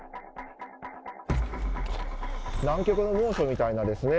南極の猛暑みたいなですね